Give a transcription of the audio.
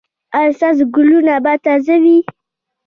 ایا ستاسو ګلونه به تازه وي؟